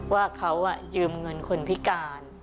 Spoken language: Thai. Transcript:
ว่าเขายืมเงินคนพิการ